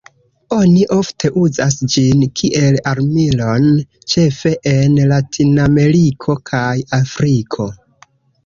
Oni ofte uzas ĝin kiel armilon, ĉefe en Latinameriko kaj Afriko.